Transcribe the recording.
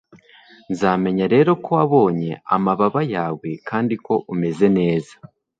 nzamenya rero ko wabonye amababa yawe kandi ko umeze neza